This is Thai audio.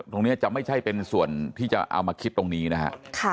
ตรงนี้จะไม่ใช่เป็นส่วนที่จะเอามาคิดตรงนี้นะฮะ